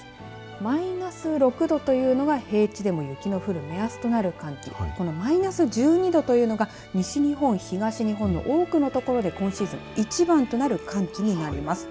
マイナス６度というのが平地でも雪の降る目安となる寒気このマイナス１２度というのが西日本、東日本の多くの所で今シーズン一番となる寒気になります。